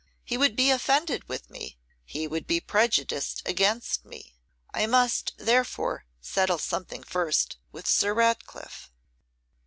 He would be offended with me, he would be prejudiced against me. I must, therefore, settle something first with Sir Ratcliffe.